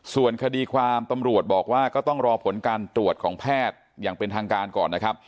ส่วนคดีความตำรวจบอกว่าก็ต้องรอผลการตรวจของแพทย์อย่างเป็นทางการก่อนนะครับ